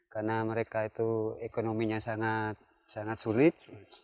karena mereka itu ekonominya sangat sulit